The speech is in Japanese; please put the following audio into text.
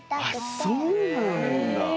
あそうなんだ。